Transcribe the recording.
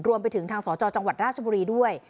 รวมไปถึงทางสจจังหวัดราชบุรีด้วย